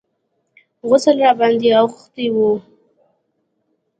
غسل راباندې اوښتى و.